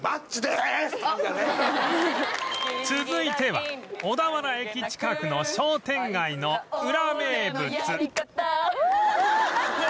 続いては小田原駅近くの商店街のウラ名物マッチ！